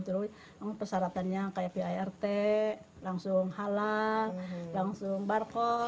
terus dulu persyaratannya kayak pirt langsung halal langsung barcode